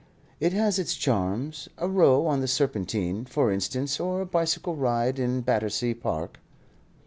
"It has its charms. A row on the Serpentine, for instance, or a bicycle ride in Battersea Park."